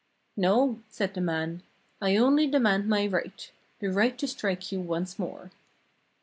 ' No,' said the man, ' I only demand my right — the right to strike you once more.'